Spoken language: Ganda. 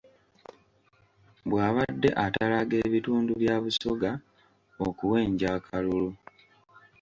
Bw'abadde atalaaga ebitundu bya Busoga okuwenja akalulu.